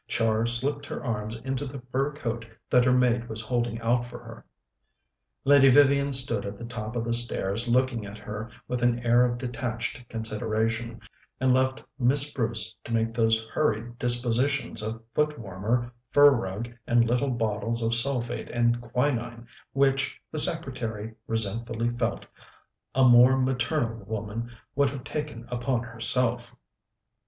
Char slipped her arms into the fur coat that her maid was holding out for her. Lady Vivian stood at the top of the stairs looking at her with an air of detached consideration, and left Miss Bruce to make those hurried dispositions of foot warmer, fur rug, and little bottles of sulphate and quinine which, the secretary resentfully felt, a more maternal woman would have taken upon herself.